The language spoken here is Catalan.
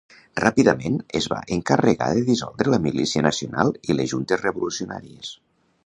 Ràpidament es va encarregar de dissoldre la Milícia Nacional i les Juntes revolucionàries.